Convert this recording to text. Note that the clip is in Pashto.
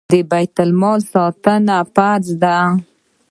د بیت المال ساتنه فرض ده